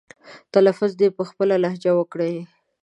تلفظ دې په خپله لهجه وکړي.